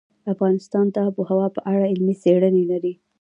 افغانستان د آب وهوا په اړه علمي څېړنې لري.